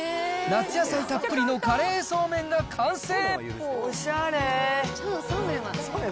夏野菜たっぷりのカレーそうめんが完成。